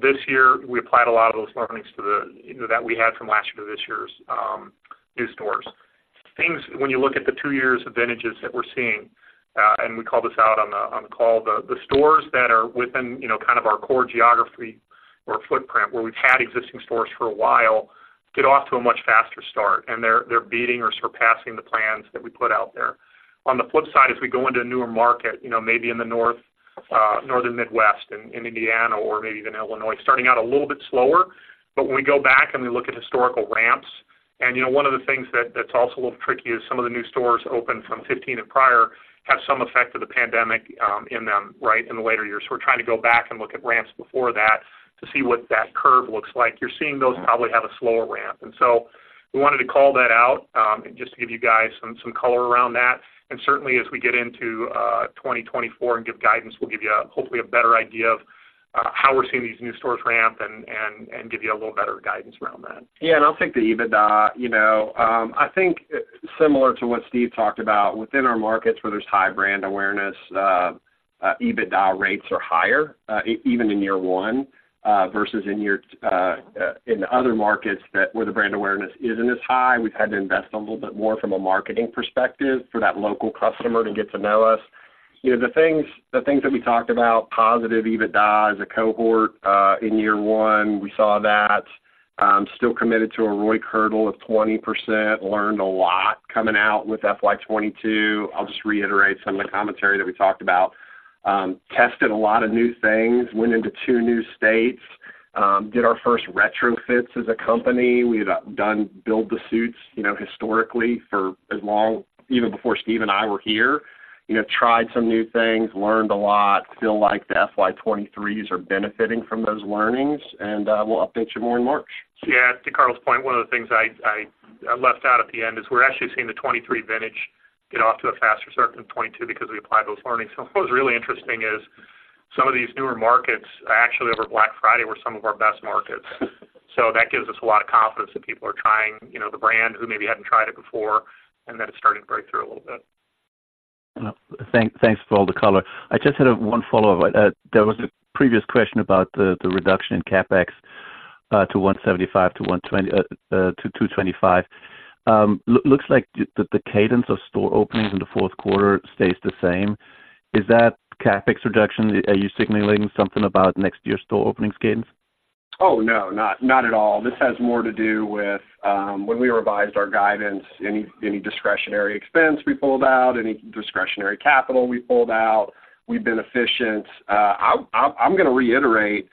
C: This year, we applied a lot of those learnings to the, you know, that we had from last year to this year's new stores. When you look at the 2 years of vintages that we're seeing, and we called this out on the call, the stores that are within, you know, kind of our core geography or footprint, where we've had existing stores for a while, get off to a much faster start, and they're beating or surpassing the plans that we put out there. On the flip side, as we go into a newer market, you know, maybe in the north, northern Midwest, in Indiana or maybe even Illinois, starting out a little bit slower. But when we go back and we look at historical ramps, and, you know, one of the things that's also a little tricky is some of the new stores opened from 15 and prior have some effect of the pandemic, in them, right, in the later years. We're trying to go back and look at ramps before that to see what that curve looks like. You're seeing those probably have a slower ramp. And so we wanted to call that out, and just to give you guys some color around that. And certainly, as we get into 2024 and give guidance, we'll give you, hopefully, a better idea of how we're seeing these new stores ramp and give you a little better guidance around that.
D: Yeah, and I'll take the EBITDA. You know, I think similar to what Steve talked about, within our markets where there's high brand awareness, EBITDA rates are higher, even in year one versus in year in other markets where the brand awareness isn't as high. We've had to invest a little bit more from a marketing perspective for that local customer to get to know us. You know, the things, the things that we talked about, positive EBITDA as a cohort in year one, we saw that, still committed to a ROI hurdle of 20%. Learned a lot coming out with FY 2022. I'll just reiterate some of the commentary that we talked about. Tested a lot of new things, went into two new states, did our first retrofits as a company. We've done build the suites, you know, historically for as long as... even before Steve and I were here. You know, tried some new things, learned a lot, feel like the FY 2023s are benefiting from those learnings, and we'll update you more in March.
C: Yeah, to Carl's point, one of the things I left out at the end is we're actually seeing the 23 vintage get off to a faster start than 22 because we applied those learnings. So what was really interesting is some of these newer markets, actually, over Black Friday, were some of our best markets. So that gives us a lot of confidence that people are trying, you know, the brand who maybe hadn't tried it before, and that it's starting to break through a little bit.
K: Thanks for all the color. I just had one follow-up. There was a previous question about the reduction in CapEx to $175-$225. Looks like the cadence of store openings in the fourth quarter stays the same. Is that CapEx reduction, are you signaling something about next year's store openings gains?
D: Oh, no, not at all. This has more to do with when we revised our guidance, any discretionary expense we pulled out, any discretionary capital we pulled out, we've been efficient. I'm gonna reiterate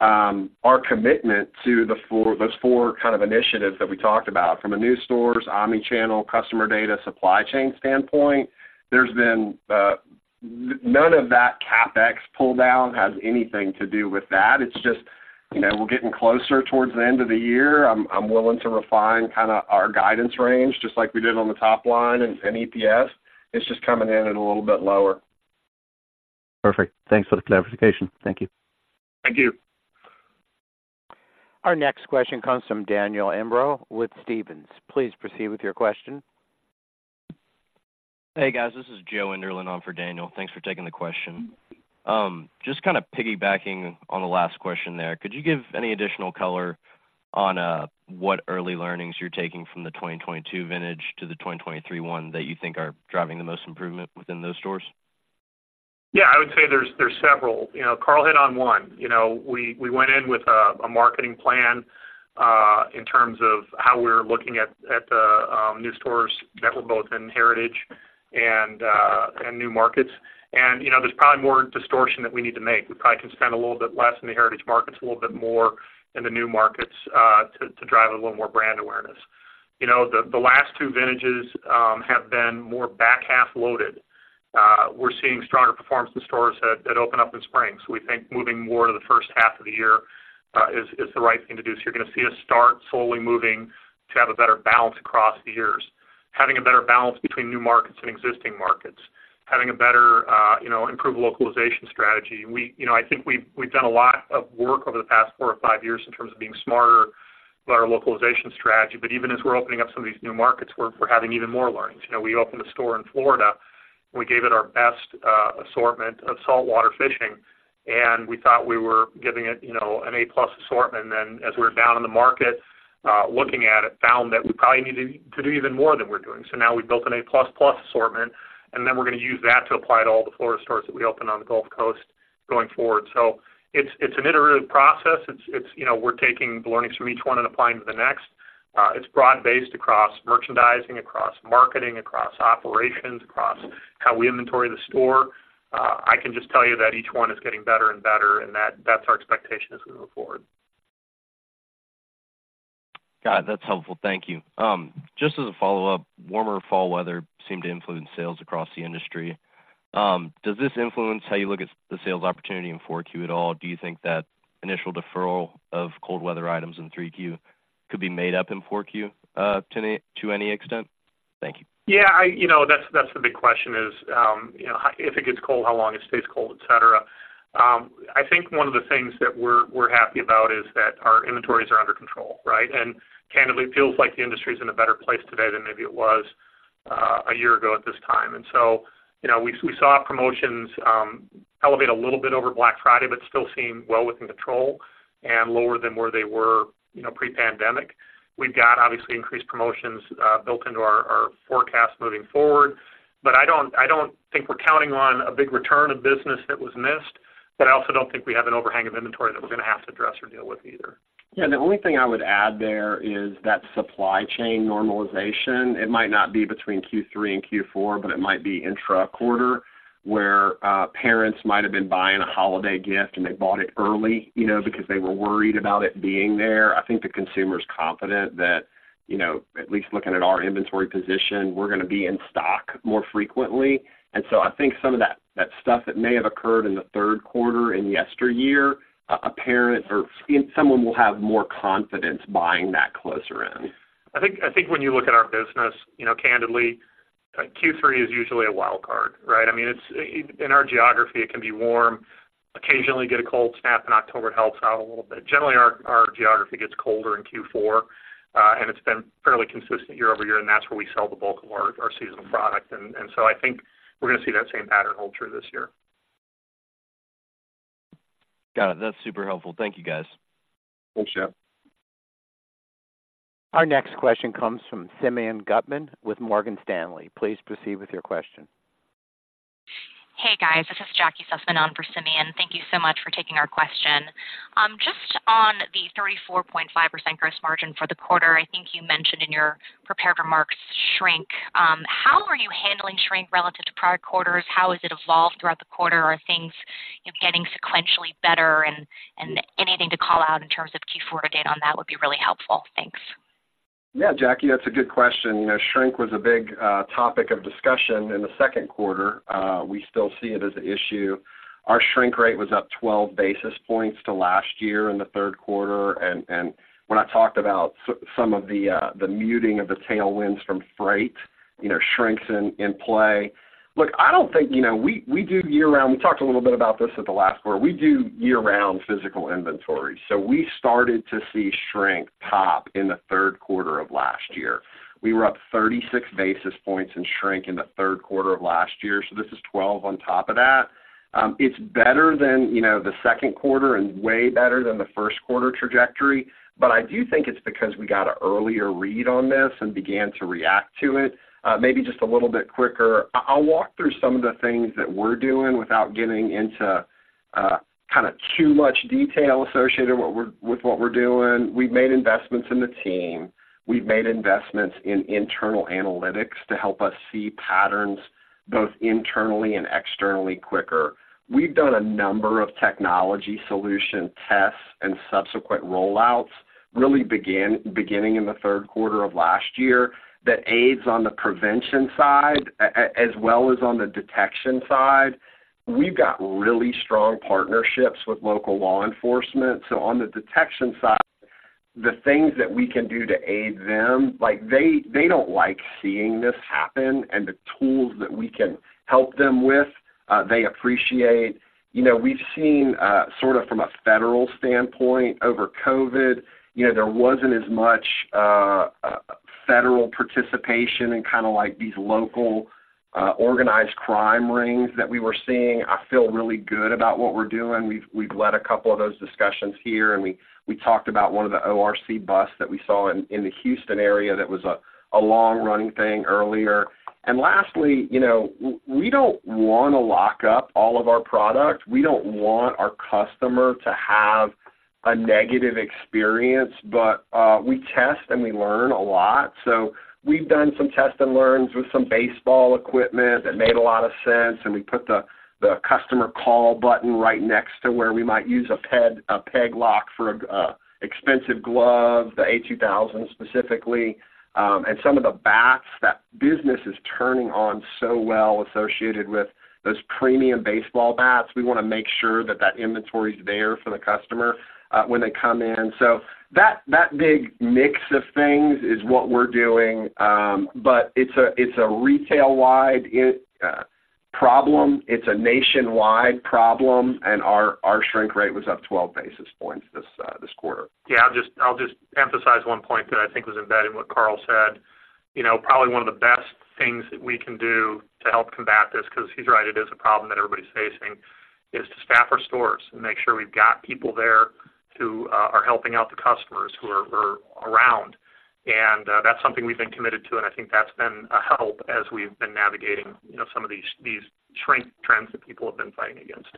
D: our commitment to those four kind of initiatives that we talked about. From a new stores, omni-channel, customer data, supply chain standpoint, there's been none of that CapEx pull down has anything to do with that. It's just, you know, we're getting closer towards the end of the year. I'm willing to refine kinda our guidance range, just like we did on the top line and in EPS. It's just coming in at a little bit lower.
K: Perfect. Thanks for the clarification. Thank you.
D: Thank you.
A: ...Our next question comes from Daniel Imbro with Stephens. Please proceed with your question.
L: Hey, guys, this is Joe Enderlin on for Daniel. Thanks for taking the question. Just kind of piggybacking on the last question there, could you give any additional color on what early learnings you're taking from the 2022 vintage to the 2023 one that you think are driving the most improvement within those stores?
C: Yeah, I would say there's several. You know, Carl hit on one. You know, we went in with a marketing plan in terms of how we're looking at the new stores that were both in heritage and new markets. And, you know, there's probably more distortion that we need to make. We probably can spend a little bit less in the heritage markets, a little bit more in the new markets to drive a little more brand awareness. You know, the last two vintages have been more back half loaded. We're seeing stronger performance in stores that open up in spring. So we think moving more to the first half of the year is the right thing to do. So you're gonna see us start slowly moving to have a better balance across the years, having a better balance between new markets and existing markets, having a better, you know, improved localization strategy. We you know, I think we've done a lot of work over the past four or five years in terms of being smarter with our localization strategy, but even as we're opening up some of these new markets, we're having even more learnings. You know, we opened a store in Florida, and we gave it our best assortment of saltwater fishing, and we thought we were giving it, you know, an A-plus assortment. And then as we're down in the market looking at it, found that we probably need to do even more than we're doing. So now we've built an A-plus-plus assortment, and then we're gonna use that to apply to all the Florida stores that we open on the Gulf Coast going forward. So it's an iterative process. It's, you know, we're taking the learnings from each one and applying to the next. It's broad-based across merchandising, across marketing, across operations, across how we inventory the store. I can just tell you that each one is getting better and better, and that's our expectation as we move forward.
L: Got it. That's helpful. Thank you. Just as a follow-up, warmer fall weather seemed to influence sales across the industry. Does this influence how you look at the sales opportunity in 4Q at all? Do you think that initial deferral of cold weather items in 3Q could be made up in 4Q, to any, to any extent? Thank you.
C: Yeah, you know, that's the big question is, you know, if it gets cold, how long it stays cold, etc. I think one of the things that we're happy about is that our inventories are under control, right? And candidly, it feels like the industry is in a better place today than maybe it was a year ago at this time. And so, you know, we saw promotions elevate a little bit over Black Friday, but still seem well within control and lower than where they were, you know, pre-pandemic. We've got obviously increased promotions built into our forecast moving forward, but I don't think we're counting on a big return of business that was missed, but I also don't think we have an overhang of inventory that we're gonna have to address or deal with either.
D: Yeah, the only thing I would add there is that supply chain normalization. It might not be between Q3 and Q4, but it might be intra-quarter, where parents might have been buying a holiday gift, and they bought it early, you know, because they were worried about it being there. I think the consumer is confident that, you know, at least looking at our inventory position, we're gonna be in stock more frequently. And so I think some of that stuff that may have occurred in the third quarter in yesteryear, a parent or someone will have more confidence buying that closer in.
C: I think when you look at our business, you know, candidly, Q3 is usually a wild card, right? I mean, it's in our geography, it can be warm. Occasionally, get a cold snap in October, it helps out a little bit. Generally, our geography gets colder in Q4, and it's been fairly consistent year-over-year, and that's where we sell the bulk of our seasonal product. And so I think we're gonna see that same pattern hold true this year.
L: Got it. That's super helpful. Thank you, guys.
C: Thanks, Joe.
A: Our next question comes from Simeon Gutman with Morgan Stanley. Please proceed with your question.
M: Hey, guys, this is Jackie Sussman on for Simeon. Thank you so much for taking our question. Just on the 34.5% gross margin for the quarter, I think you mentioned in your prepared remarks, shrink. How are you handling shrink relative to prior quarters? How has it evolved throughout the quarter? Are things, you know, getting sequentially better? And anything to call out in terms of Q4 data on that would be really helpful. Thanks.
D: Yeah, Jackie, that's a good question. You know, shrink was a big topic of discussion in the second quarter. We still see it as an issue. Our shrink rate was up 12 basis points to last year in the third quarter, and when I talked about some of the muting of the tailwinds from freight, you know, shrinks in play. Look, I don't think you know, we do year-round. We talked a little bit about this at the last quarter. We do year-round physical inventory, so we started to see shrink top in the third quarter of last year. We were up 36 basis points in shrink in the third quarter of last year, so this is 12 on top of that. It's better than, you know, the second quarter and way better than the first quarter trajectory, but I do think it's because we got an earlier read on this and began to react to it, maybe just a little bit quicker. I'll walk through some of the things that we're doing without getting into kind of too much detail associated with what we're doing. We've made investments in the team. We've made investments in internal analytics to help us see patterns, both internally and externally, quicker. We've done a number of technology solution tests and subsequent rollouts, really beginning in the third quarter of last year, that aids on the prevention side, as well as on the detection side. We've got really strong partnerships with local law enforcement, so on the detection side, the things that we can do to aid them, like, they, they don't like seeing this happen, and the tools that we can help them with, they appreciate. You know, we've seen, sort of from a federal standpoint over COVID, you know, there wasn't as much, federal participation in kind of like these local, organized crime rings that we were seeing. I feel really good about what we're doing. We've led a couple of those discussions here, and we talked about one of the ORC busts that we saw in the Houston area that was a long-running thing earlier. And lastly, you know, we don't want to lock up all of our product. We don't want our customer to have a negative experience, but we test and we learn a lot. So we've done some test and learns with some baseball equipment that made a lot of sense, and we put the customer call button right next to where we might use a peg lock for expensive glove, the A2000, specifically, and some of the bats. That business is turning on so well associated with those premium baseball bats. We wanna make sure that that inventory is there for the customer when they come in. So that big mix of things is what we're doing, but it's a retail-wide issue problem. It's a nationwide problem, and our shrink rate was up 12 basis points this quarter.
C: Yeah, I'll just, I'll just emphasize one point that I think was embedded in what Carl said. You know, probably one of the best things that we can do to help combat this, because he's right, it is a problem that everybody's facing, is to staff our stores and make sure we've got people there who are helping out the customers, who are around. And that's something we've been committed to, and I think that's been a help as we've been navigating, you know, some of these shrink trends that people have been fighting against.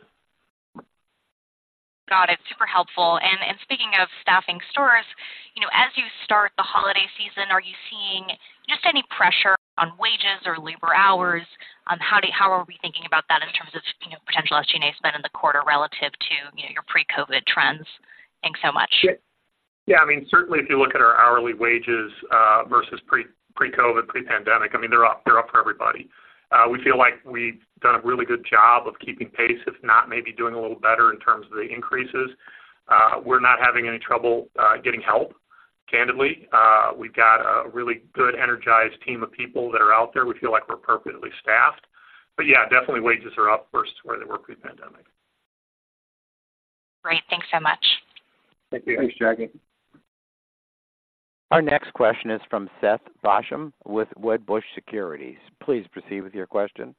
M: Got it. Super helpful. And speaking of staffing stores, you know, as you start the holiday season, are you seeing just any pressure on wages or labor hours? How are we thinking about that in terms of, you know, potential SG&A spend in the quarter relative to, you know, your pre-COVID trends? Thanks so much.
C: Yeah. Yeah, I mean, certainly, if you look at our hourly wages versus pre, pre-COVID, pre-pandemic, I mean, they're up, they're up for everybody. We feel like we've done a really good job of keeping pace, if not maybe doing a little better in terms of the increases. We're not having any trouble getting help, candidly. We've got a really good, energized team of people that are out there. We feel like we're appropriately staffed. But yeah, definitely wages are up versus where they were pre-pandemic.
M: Great. Thanks so much.
D: Thank you.
C: Thanks, Jackie.
A: Our next question is from Seth Basham with Wedbush Securities. Please proceed with your question.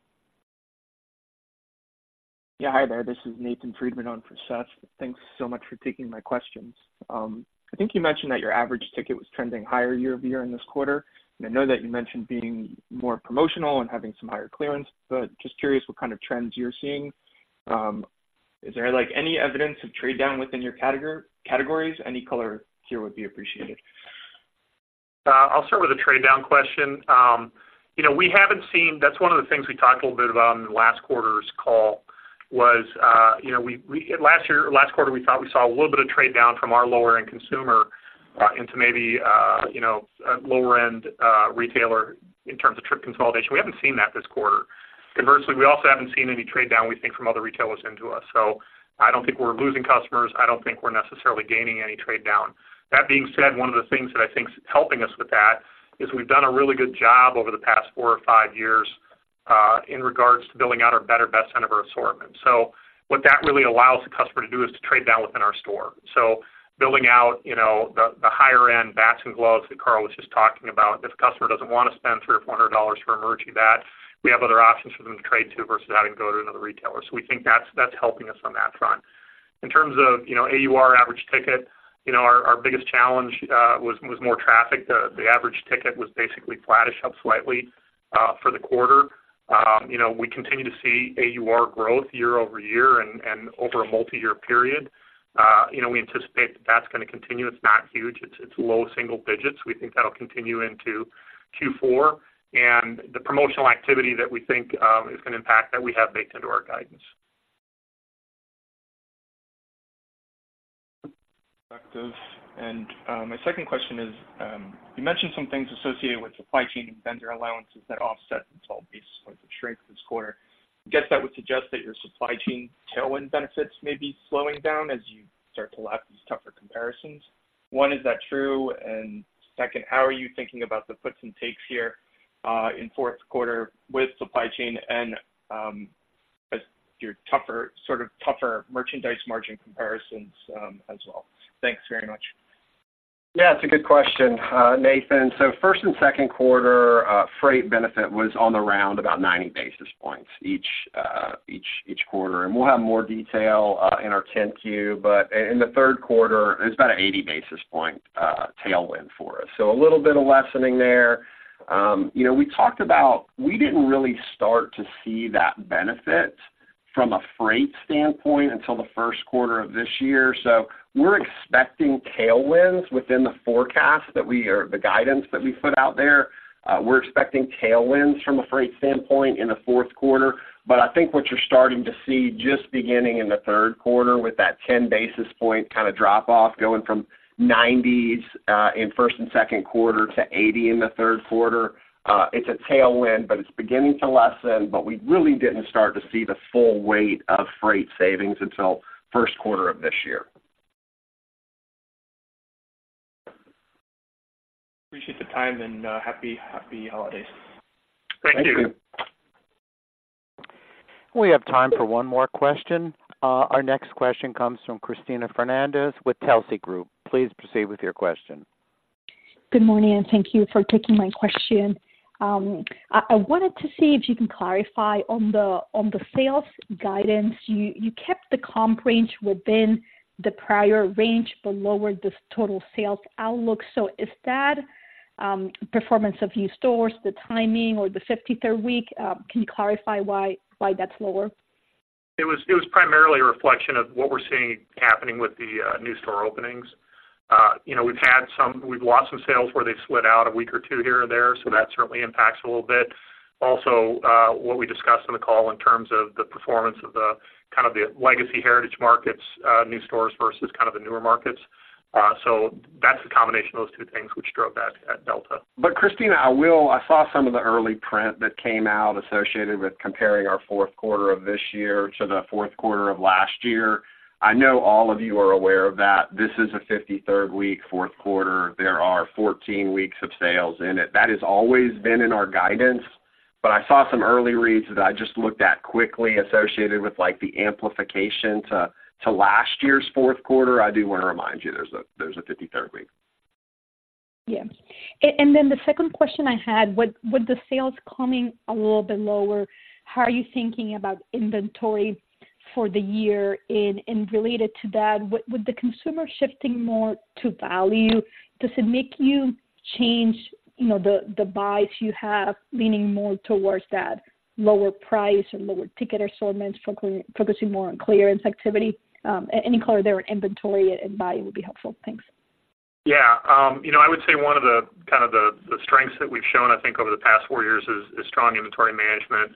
N: Yeah, hi there. This is Nathan Friedman on for Seth. Thanks so much for taking my questions. I think you mentioned that your average ticket was trending higher year-over-year in this quarter. And I know that you mentioned being more promotional and having some higher clearance, but just curious what kind of trends you're seeing. Is there, like, any evidence of trade down within your category, categories? Any color here would be appreciated.
C: I'll start with the trade down question. You know, we haven't seen.... That's one of the things we talked a little bit about in last quarter's call was, you know, last year, last quarter, we thought we saw a little bit of trade down from our lower-end consumer, into maybe, you know, a lower-end retailer in terms of trip consolidation. We haven't seen that this quarter. Conversely, we also haven't seen any trade down, we think, from other retailers into us. So I don't think we're losing customers. I don't think we're necessarily gaining any trade down. That being said, one of the things that I think is helping us with that is we've done a really good job over the past four or five years, in regards to building out our better, best center of our assortment. So what that really allows the customer to do is to trade down within our store. So building out, you know, the higher-end bats and gloves that Carl was just talking about. If the customer doesn't want to spend $300-$400 for a Marucci bat, we have other options for them to trade to versus having to go to another retailer. So we think that's helping us on that front. In terms of, you know, AUR average ticket, you know, our biggest challenge was more traffic. The average ticket was basically flattish, up slightly, for the quarter. You know, we continue to see AUR growth year-over-year and over a multi-year period. You know, we anticipate that that's going to continue. It's not huge. It's low single digits. We think that'll continue into Q4. The promotional activity that we think is going to impact that we have baked into our guidance....
N: Perspective. And my second question is, you mentioned some things associated with supply chain and vendor allowances that offset the 12 basis points of shrink this quarter. I guess that would suggest that your supply chain tailwind benefits may be slowing down as you start to lap these tougher comparisons. One, is that true? And second, how are you thinking about the puts and takes here in fourth quarter with supply chain and as your tougher, sort of tougher merchandise margin comparisons, as well? Thanks very much.
D: Yeah, it's a good question, Nathan. So first and second quarter, freight benefit was on around about 90 basis points each, each quarter. And we'll have more detail in our 10-Q, but in the third quarter, it's about an 80 basis point tailwind for us. So a little bit of lessening there. You know, we talked about. We didn't really start to see that benefit from a freight standpoint until the first quarter of this year. So we're expecting tailwinds within the forecast, the guidance that we put out there. We're expecting tailwinds from a freight standpoint in the fourth quarter. But I think what you're starting to see just beginning in the third quarter with that 10 basis point kind of drop-off, going from 90s in first and second quarter to 80 in the third quarter, it's a tailwind, but it's beginning to lessen, but we really didn't start to see the full weight of freight savings until first quarter of this year.
N: Appreciate the time, and happy, happy holidays.
D: Thank you.
A: We have time for one more question. Our next question comes from Cristina Fernandez with Telsey Group. Please proceed with your question.
O: Good morning, and thank you for taking my question. I wanted to see if you can clarify on the sales guidance. You kept the comp range within the prior range, but lowered the total sales outlook. So is that performance of new stores, the timing or the 53rd week? Can you clarify why that's lower?
C: It was primarily a reflection of what we're seeing happening with the new store openings. You know, we've had some, we've lost some sales where they've slid out a week or two here or there, so that certainly impacts a little bit. Also, what we discussed on the call in terms of the performance of the kind of the legacy heritage markets, new stores versus kind of the newer markets. So that's a combination of those two things which drove that delta.
D: But Cristina, I saw some of the early print that came out associated with comparing our fourth quarter of this year to the fourth quarter of last year. I know all of you are aware of that. This is a 53rd week, fourth quarter. There are 14 weeks of sales in it. That has always been in our guidance, but I saw some early reads that I just looked at quickly associated with, like, the amplification to last year's fourth quarter. I do want to remind you, there's a 53rd week.
O: Yeah. And then the second question I had, with the sales coming a little bit lower, how are you thinking about inventory for the year? And related to that, with the consumer shifting more to value, does it make you change, you know, the buys you have, leaning more towards that lower price or lower ticket assortments, focusing more on clearance activity? Any color there on inventory and buying would be helpful. Thanks.
C: Yeah, you know, I would say one of the kind of strengths that we've shown, I think, over the past four years is strong inventory management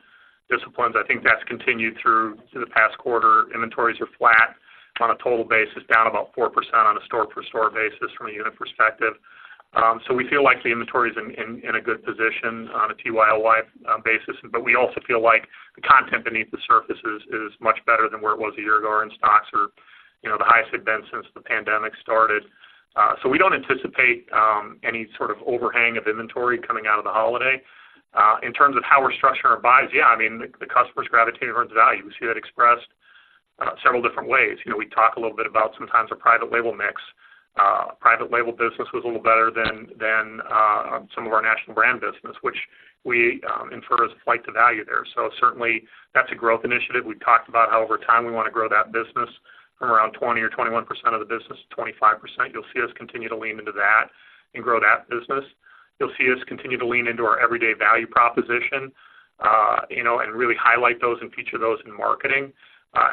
C: disciplines. I think that's continued through to the past quarter. Inventories are flat on a total basis, down about 4% on a store-per-store basis from a unit perspective. So we feel like the inventory is in a good position on a TYL life basis, but we also feel like the content beneath the surface is much better than where it was a year ago, and stocks are, you know, the highest they've been since the pandemic started. So we don't anticipate any sort of overhang of inventory coming out of the holiday. In terms of how we're structuring our buys, yeah, I mean, the customers gravitated towards value. We see that expressed several different ways. You know, we talk a little bit about sometimes a private label mix. Private label business was a little better than some of our national brand business, which we infer as a flight to value there. So certainly that's a growth initiative. We've talked about how over time we want to grow that business from around 20 or 21% of the business to 25%. You'll see us continue to lean into that and grow that business. You'll see us continue to lean into our everyday value proposition, you know, and really highlight those and feature those in marketing.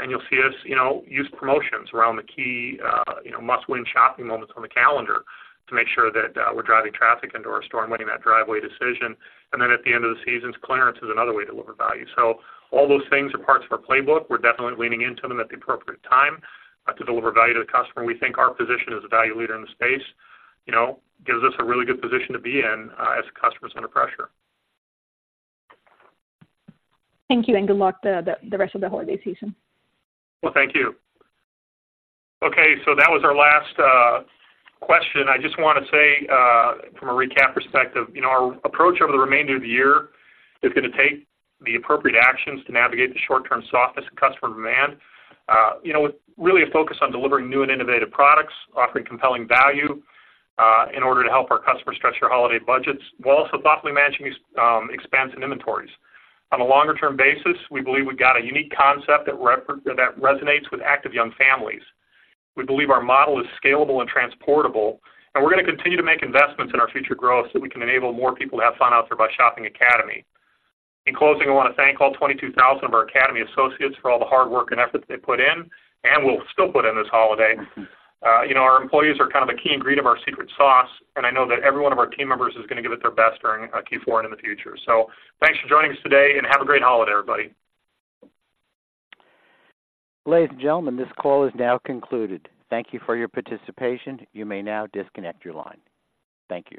C: And you'll see us, you know, use promotions around the key, you know, must-win shopping moments on the calendar to make sure that we're driving traffic into our store and winning that driveway decision. And then at the end of the seasons, clearance is another way to deliver value. So all those things are parts of our playbook. We're definitely leaning into them at the appropriate time to deliver value to the customer. We think our position as a value leader in the space, you know, gives us a really good position to be in as the customer is under pressure.
O: Thank you, and good luck the rest of the holiday season.
C: Well, thank you. Okay, so that was our last question. I just want to say, from a recap perspective, you know, our approach over the remainder of the year is going to take the appropriate actions to navigate the short-term softness in customer demand. You know, with really a focus on delivering new and innovative products, offering compelling value, in order to help our customers stretch their holiday budgets, while also thoughtfully managing expense and inventories. On a longer-term basis, we believe we've got a unique concept that resonates with active young families. We believe our model is scalable and transportable, and we're going to continue to make investments in our future growth so we can enable more people to have fun out there by shopping Academy. In closing, I want to thank all 22,000 of our Academy associates for all the hard work and efforts they put in, and will still put in this holiday. You know, our employees are kind of a key ingredient of our secret sauce, and I know that every one of our team members is going to give it their best during Q4 and in the future. So thanks for joining us today, and have a great holiday, everybody.
A: Ladies and gentlemen, this call is now concluded. Thank you for your participation. You may now disconnect your line. Thank you.